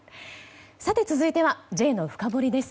続いてはＪのフカボリです。